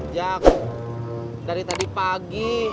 jak dari tadi pagi